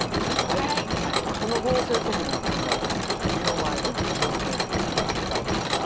この合成速度の考えというのは身の回りでも利用されているんですが分かりますか？